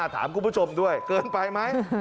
ถามคุณผู้ชมด้วยเกินไปไหม